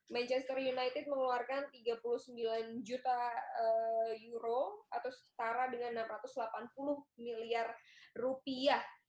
manchester united mengeluarkan tiga puluh sembilan juta euro atau setara dengan enam ratus delapan puluh miliar rupiah